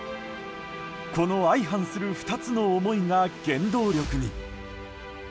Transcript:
この相反する２つの思いが原動力に。